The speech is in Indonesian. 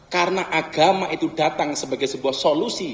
karena agama itu datang sebagai sebuah solusi